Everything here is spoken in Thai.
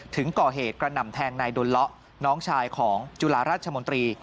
ถึงก่อเหตุกระหน่ำแทงนายดนเลาะน้องชายของจุฬาราชมนตรี